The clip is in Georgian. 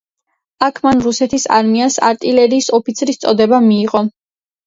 აქ მან რუსეთის არმიის არტილერიის ოფიცრის წოდება მიიღო.